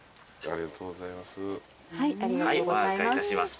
ありがとうございます。